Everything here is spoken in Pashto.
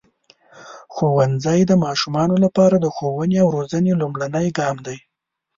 ښوونځی د ماشومانو لپاره د ښوونې او روزنې لومړنی ګام دی.